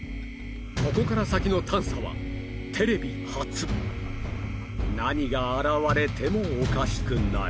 ここから先の探査はテレビ初何が現れてもおかしくない！